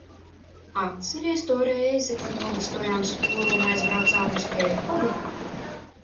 Atceries to reizi, kad nobastojam skolu un aizbraucam uz Keipkodu?